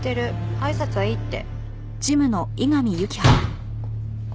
挨拶はいいって。